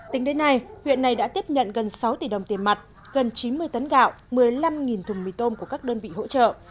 tính đến nay huyện này đã tiếp nhận gần sáu tỷ đồng tiền mặt gần chín mươi tấn gạo một mươi năm thùng mì tôm của các đơn vị hỗ trợ